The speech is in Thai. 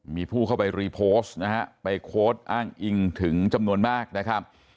มีผู้เข้าไปรีโพสต์นะฮะไปโพสต์อ้างอิงถึงจำนวนมากนะครับ